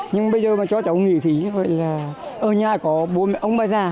nhưng bây giờ mà cho cháu nghỉ thì ơ nhà có bố mẹ ông bà già